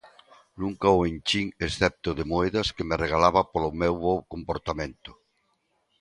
Nunca o enchín excepto de moedas que me regalaba polo meu bo comportamento.